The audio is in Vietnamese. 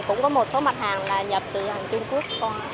cũng có một số mặt hàng là nhập từ hàng trung quốc